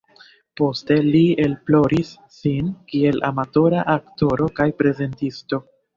Poste li elprovis sin kiel amatora aktoro kaj prezentisto.